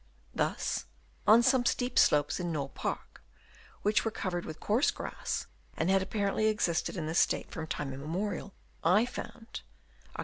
Thus, on some steep slopes in Knole Park, which were covered with coarse grass and had apparently existed in this state from time immemorial, I found (Oct.